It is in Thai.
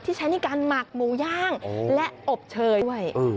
ใช้ในการหมักหมูย่างและอบเชยด้วย